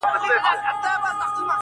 هم د سيمې پر سر ګرځي،